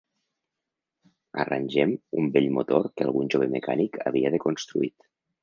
Arrangem un vell motor que algun jove mecànic havia deconstruït.